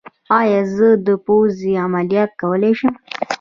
ایا زه د پوزې عملیات کولی شم؟